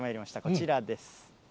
こちらです。